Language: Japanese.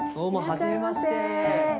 いらっしゃいませ。